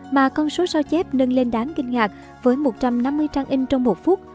mà con số sao chép nâng lên đáng kinh ngạc với một trăm năm mươi trang in trong một phút